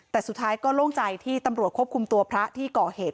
แต่สุดท้ายก็โล่งใจที่ตำรวจควบคุมตัวพระที่ก่อเหตุ